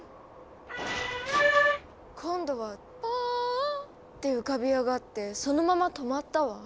「パーア」今度は「パーア」って浮かび上がってそのまま止まったわ。